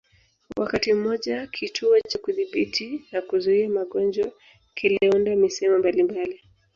Wakati mmoja Kituo cha Kudhibiti na Kuzuia Magonjwa kiliunda misemo mbalimbali